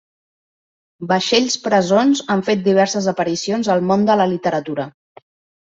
Vaixells presons han fet diverses aparicions al món de la literatura.